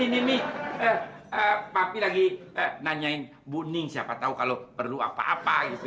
ini nih papi lagi nanyain booing siapa tahu kalau perlu apa apa gitu